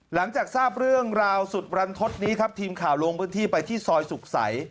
หลังจากทราบเรื่องราวสุดรันทศนี้ครับทีมข่าวลงพื้นที่ไปที่ซอยสุขใส